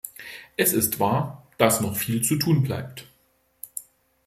Es ist wahr, dass noch viel zu tun bleibt.